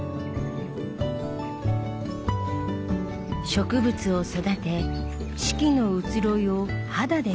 植物を育て四季の移ろいを肌で感じる。